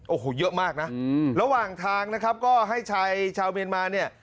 โอ้โหเยอะมากนะระหว่างทางนะครับก็ให้ชายชาวเมียนมาเนี่ย